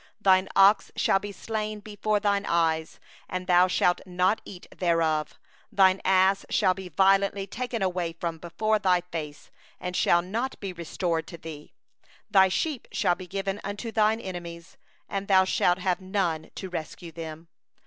31Thine ox shall be slain before thine eyes, and thou shalt not eat thereof; thine ass shall be violently taken away from before thy face, and shall not be restored to thee; thy sheep shall be given unto thine enemies; and thou shalt have none to save thee.